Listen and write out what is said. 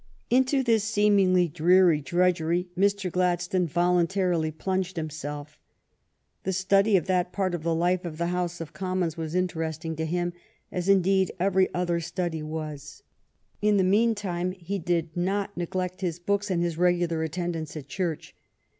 Into this seemingly dreary drudgery Mr. Gladstone voluntarily plunged himself. The study of that part of the life of the House of Commons was interesting to him, as indeed every other study was. In the meantime he did not neglect his books and his regular attendance at church.